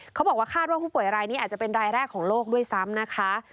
เขาบอกว่าคาดว่าผู้ป่วยรายนี้อาจจะเป็นรายแรกของโลกด้วยซ้ำนะคะ